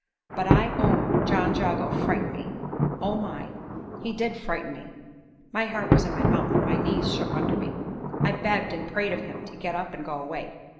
But I own John Jago frightened me; oh my! he did frighten me! My heart was in my mouth, and my knees shook under me. I begged and prayed of him to get up and go away.